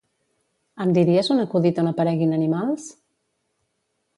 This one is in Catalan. Em diries un acudit on apareguin animals?